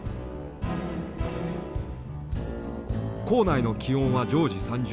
坑内の気温は常時３０℃。